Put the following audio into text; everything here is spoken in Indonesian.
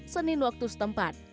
senin waktu setempat